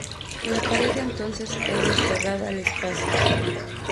La pareja entonces es desterrada al espacio.